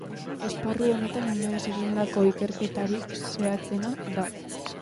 Esparru honetan inoiz egindako ikerketarik zehatzena da.